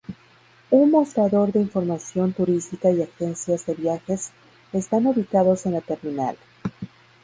Un mostrador de información turística y agencias de viajes están ubicados en la terminal.